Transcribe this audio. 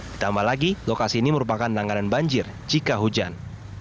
ditambah lagi lokasi ini merupakan langganan banjir jika hujan